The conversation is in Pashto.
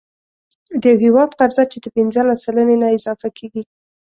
د یو هیواد قرضه چې د پنځلس سلنې نه اضافه کیږي،